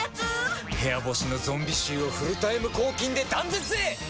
部屋干しのゾンビ臭をフルタイム抗菌で断絶へ！